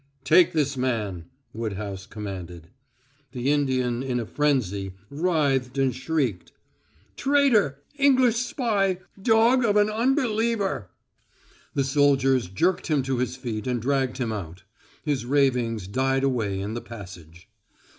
"Take this man!" Woodhouse commanded. The Indian, in a frenzy, writhed and shrieked: "Traitor! English spy! Dog of an unbeliever!" The soldiers jerked him to his feet and dragged him out; his ravings died away in the passage.